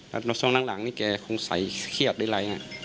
แล้วตรงข้างหลังนี่แกคงใส่เครียดได้เลย